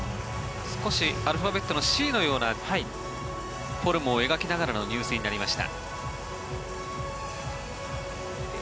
少しアルファベットのＣのようなフォルムを描きながらの入水になりました。